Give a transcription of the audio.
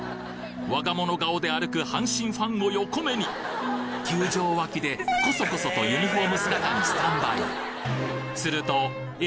我が物顔で歩く阪神ファンを横目に球場脇でコソコソとユニフォーム姿にスタンバイするとえ！